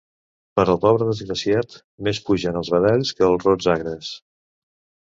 Per al pobre desgraciat, més pugen els badalls que els rots agres.